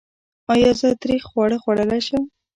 ایا زه تریخ خواړه خوړلی شم؟